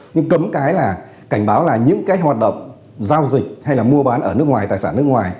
nhưng cấm cái là cảnh báo là những cái hoạt động giao dịch hay là mua bán ở nước ngoài tài sản nước ngoài